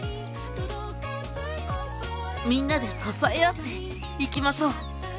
みんなで支え合って生きましょう！